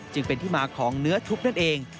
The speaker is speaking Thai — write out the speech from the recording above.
จึงเป็นที่มาของเนื้อทุกข์นั่นเอง